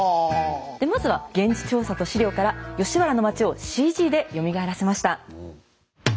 でまずは現地調査と史料から吉原の町をＣＧでよみがえらせました。